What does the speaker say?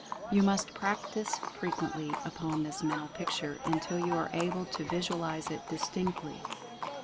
You must practice frequently upon this Mental Picture until you are able to visualize it distinctly.